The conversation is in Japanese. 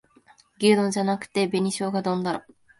牛丼じゃなくて紅しょうが丼だろ